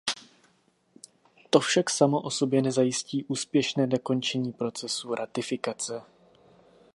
To však samo o sobě nezajistí úspěšné dokončení procesu ratifikace.